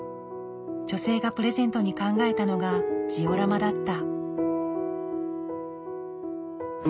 女性がプレゼントに考えたのがジオラマだった。